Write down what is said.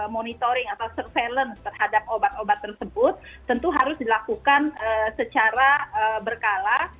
monitoring atau surveillance terhadap obat obat tersebut tentu harus dilakukan secara berkala